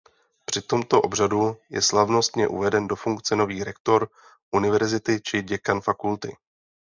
Při tomto obřadu je slavnostně uveden do funkce nový rektor univerzity či děkan fakulty.